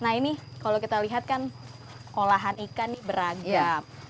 nah ini kalau kita lihat kan olahan ikan ini beragam